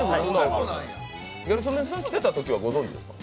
ギャル曽根さんが来てたときはご存じでしたか？